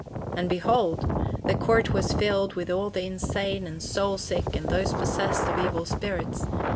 And behold! the court was filled with all the insane and soul sick and those possessed of evil spirits.